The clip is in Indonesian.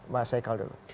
mas haikal dulu